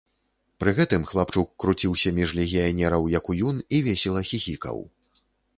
Пры гэтым хлапчук круціўся між легіянераў, як уюн, і весела хіхікаў.